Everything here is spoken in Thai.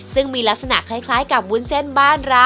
ซึ่งมีลักษณะคล้ายกับวุ้นเส้นบ้านเรา